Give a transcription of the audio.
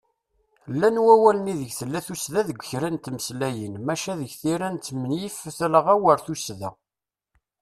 Llan wawalen ideg tella tussda deg kra n tmeslayin, maca deg tira nesmenyif talɣa war tussda.